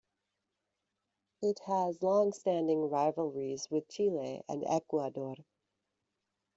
It has longstanding rivalries with Chile and Ecuador.